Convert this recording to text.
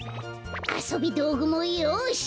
あそびどうぐもよし！